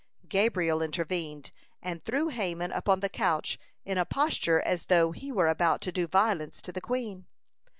Gabriel intervened, and threw Haman upon the couch in a posture as though he were about to do violence to the queen.